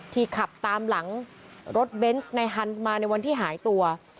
ขับตามหลังรถเบนส์ในฮันส์มาในวันที่หายตัว